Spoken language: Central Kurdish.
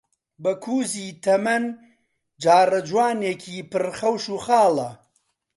بەکووزی تەمەن جاڕەجوانێکی پڕ خەوش و خاڵە،